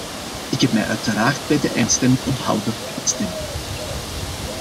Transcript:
Ik heb mij uiteraard bij de eindstemming onthouden van stemming.